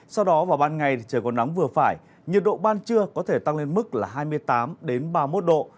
sau đó vào ban ngày trời còn nắng vừa phải nhiệt độ ban trưa có thể tăng lên mức là hai mươi tám ba mươi một độ